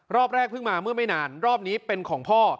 รอบแรกเพิ่งมาเมื่อไม่นานรอบนี้เป็นของพ่อ